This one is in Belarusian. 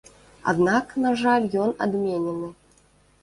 Аднак, на жаль, ён адменены.